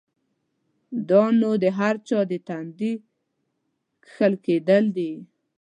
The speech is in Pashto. دا نو د هر چا د تندي کښل کېدل دی؛